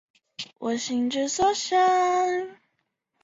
库埃特最为人所知的是他在流变学和流体流动理论的贡献。